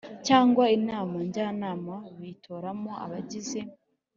Cyangwa inama njyanama bitoramo abagize